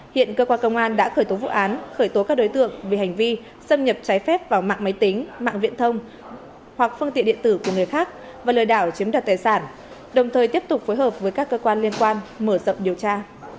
hiện cơ quan công an đã khởi tố vụ án khởi tố các đối tượng về hành vi xâm nhập trái phép vào mạng máy tính mạng viễn thông hoặc phương tiện điện tử của người khác và lừa đảo chiếm đoạt tài sản đồng thời tiếp tục phối hợp với các cơ quan liên quan mở rộng điều tra